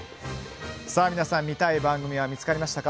皆さん、見たい番組は見つかりましたか？